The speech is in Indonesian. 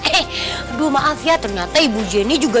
hei aduh maaf ya ternyata ibu jenny juga